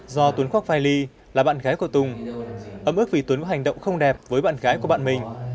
do tuấn khoác vài ly là bạn gái của tùng ấm ức vì tuấn có hành động không đẹp với bạn gái của bạn mình